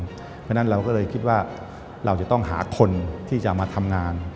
เพราะฉะนั้นเราก็เลยคิดว่าเราจะต้องหาคนที่จะมาทำงาน